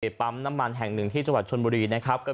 ปั๊มน้ำมันแห่งหนึ่งที่จังหวัดชนบุรีนะครับ